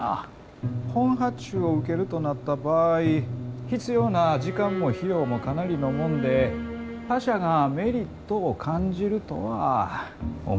本発注を受けるとなった場合必要な時間も費用もかなりのもんで他社がメリットを感じるとは思えません。